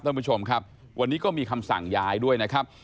ท่านผู้ชมครับวันนี้ก็มีคำสั่งย้ายด้วยนะครับ